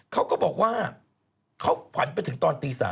เขาก็บอกว่าเขาฝันไปถึงตอนตี๓